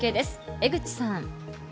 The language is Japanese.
江口さん。